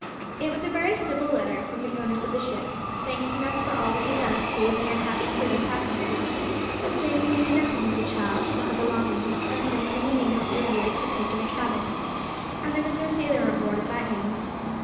It was a very civil letter from the owners of the ship, thanking us for all we had done to save the unhappy crew and passengers, but saying they knew nothing of the child or her belongings, as no one of the name of Villiers had taken a cabin, and there was no sailor on board of that name.